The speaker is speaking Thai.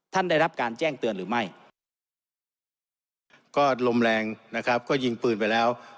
ได้รับการแจ้งเตือนหรือไม่นะครับก็ลมแรงนะครับก็ยิงปืนไปแล้ว